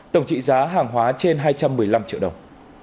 tổng trị giá hàng hóa trên hai trăm một mươi năm triệu đồng